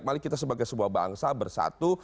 mari kita sebagai sebuah bangsa bersatu